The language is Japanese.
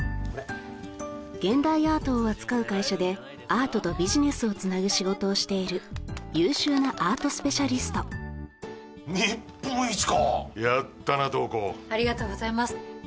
現代アートを扱う会社でアートとビジネスをつなぐ仕事をしている優秀な日本一かやったな瞳子ありがとうございます